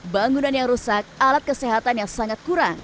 bangunan yang rusak alat kesehatan yang sangat kurang